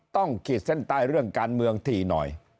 ขีดเส้นใต้เรื่องการเมืองถี่หน่อย